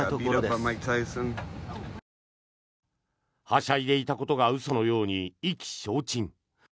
はしゃいでいたことが嘘のように意気消沈。